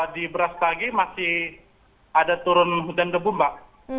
di brastagi masih ada turun hujan debu mbak